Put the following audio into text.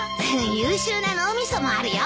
優秀な脳みそもあるよ。